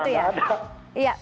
saya memasuki juga susah ada